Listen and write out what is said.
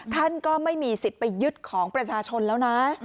ท่านก็ไม่มีสิทธิ์ไปยึดของประชาชนแล้วนะ